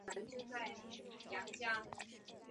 米林乌头为毛茛科乌头属下的一个种。